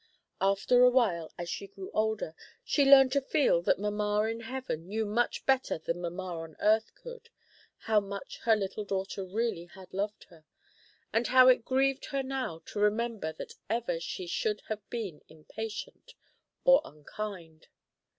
After a while, as she grew older, she learned to feel that mamma in heaven knew much better than mamma on earth could, how much her little daughter really had loved her, and how it grieved her now to remember that ever she should have been impatient or unkind.